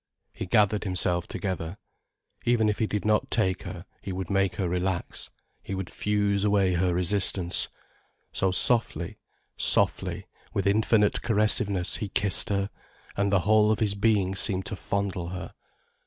He gathered himself together. Even if he did not take her, he would make her relax, he would fuse away her resistance. So softly, softly, with infinite caressiveness he kissed her, and the whole of his being seemed to fondle her.